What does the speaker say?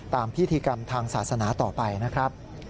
พิธีกรรมทางศาสนาต่อไปนะครับ